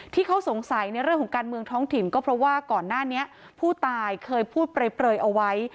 ที่เขาสงสัยในเรื่องของการเมืองท้องถิ่นก็เพราะว่าก่อนหน้านี้ผู้ตายเคยพูดเปลยเอาไว้